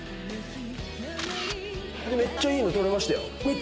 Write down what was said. めっちゃいいの撮れましたよ。